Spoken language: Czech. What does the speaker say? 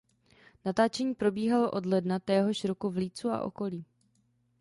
Natáčení probíhalo od ledna téhož roku v Leedsu a okolí.